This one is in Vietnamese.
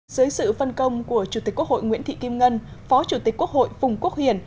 dưới sự phân công của chủ tịch quốc hội nguyễn thị kim ngân phó chủ tịch quốc hội phùng quốc hiển